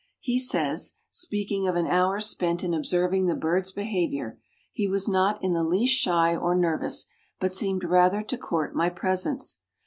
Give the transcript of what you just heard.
He says, speaking of an hour spent in observing the bird's behavior, "He was not in the least shy or nervous, but seemed rather to court my presence.